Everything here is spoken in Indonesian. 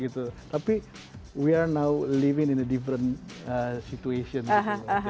tapi kita sekarang hidup dalam situasi yang berbeda